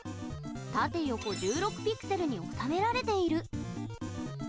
縦横１６ピクセルに収められている。